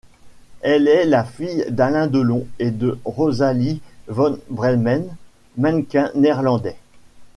Elle est la fille d’Alain Delon et de Rosalie van Breemen, mannequin néerlandais.